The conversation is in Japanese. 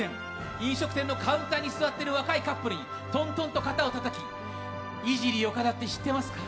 飲食店のカウンターに座ってる若いカップルにトントンと肩をたたきイジリー岡田って知ってますか？